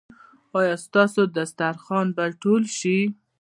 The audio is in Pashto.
ایا ستاسو دسترخوان به ټول شي؟